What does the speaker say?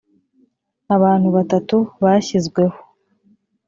abantu batatu bashyizwe ho